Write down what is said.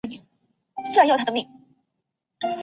三陲黑岭。